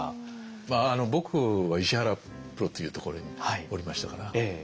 僕は石原プロというところにおりましたから。